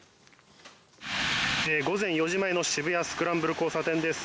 午前４時前の渋谷・スクランブル交差点です。